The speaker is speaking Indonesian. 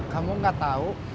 kamu gak tahu